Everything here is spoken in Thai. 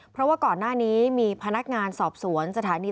เพราะว่าก่อนหน้านี้มีพนักงานสอบสวนสถานี